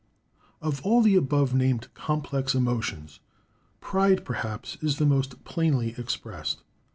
Of all the above named complex emotions, Pride, perhaps, is the most plainly expressed.